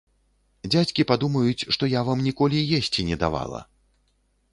Дзядзькі падумаюць, што я вам ніколі есці не давала!